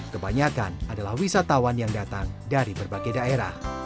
kebanyakan adalah wisatawan yang datang dari berbagai daerah